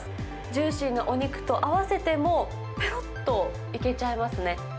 ジューシーなお肉と合わせても、ぺろっといけちゃいますね。